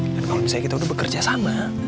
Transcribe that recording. dan kalau misalnya kita udah bekerja sama